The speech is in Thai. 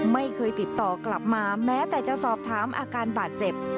ไม่เคยติดต่อกลับมาแม้แต่จะสอบถามอาการบาดเจ็บ